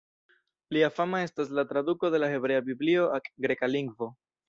Lia fama estas la traduko de la Hebrea Biblio ak greka lingvo.